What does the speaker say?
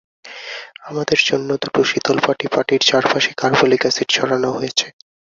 আমাদের জন্যে দুটো শীতল পাটি, পাটির চারপাশে কার্বলিক এসিড ছড়ানো হয়েছে।